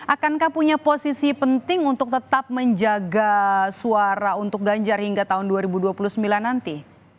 akankah punya posisi penting untuk tetap menjaga suara untuk ganjar hingga tahun dua ribu dua puluh sembilan nanti